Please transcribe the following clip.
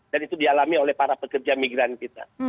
dan itu dialami oleh para pekerja migran kita